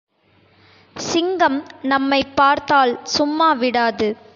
சிங்கம் நம்மைப் பார்த்தால், சும்மா விடாது.